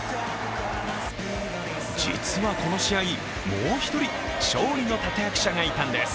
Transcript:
実はこの試合、もう１人、勝利の立役者がいたんです。